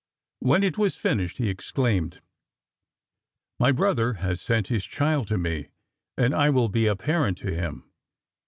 When it was finished, he exclaimed, "My brother has sent his child to me, and I will be a parent to him."